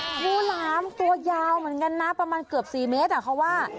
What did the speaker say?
งูหลามตัวยาวเหมือนกันนะประมาณเกือบ๔เมตรเขาว่า